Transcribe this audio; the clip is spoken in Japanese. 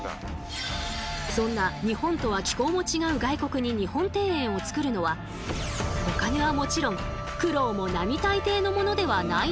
そんな日本とは気候も違う外国に日本庭園をつくるのはお金はもちろん苦労も並大抵のものではないんだとか。